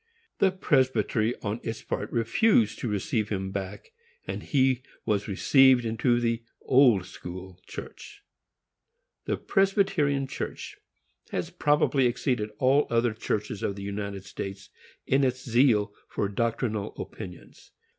The presbytery, on its part, refused to receive him back, and he was received into the Old School Church. The Presbyterian Church has probably exceeded all other churches of the United States in its zeal for doctrinal opinions.